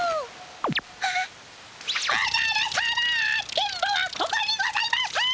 電ボはここにございます！